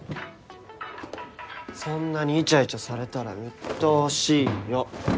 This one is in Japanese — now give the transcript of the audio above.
そんなにイチャイチャされたらうっとうしいよ。